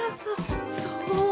そう。